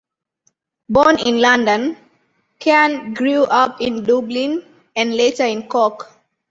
Born in London, Keane grew up in Dublin and later in Cork.